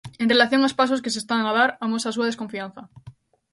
En relación aos pasos que se están a dar amosa a súa desconfianza.